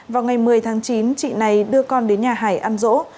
vào ngày một mươi tháng chín chị này đưa con đến nhà hải ăn rỗ